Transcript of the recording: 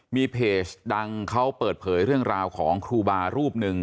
มีเพจดังเขาเปิดเผยเรื่องราวของครูบารูปหนึ่ง